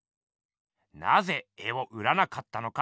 なぜ絵を売らなかったのか？